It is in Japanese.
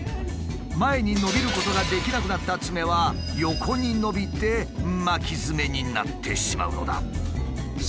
前に伸びることができなくなったツメは横に伸びて巻きヅメになってしまうのだ。